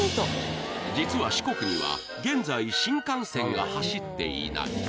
実は四国には現在新幹線が走っていない